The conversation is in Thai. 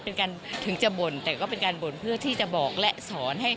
เป็นการถึงจะบ่นแต่ก็เป็นการบ่นเพื่อที่จะบอกและสอนให้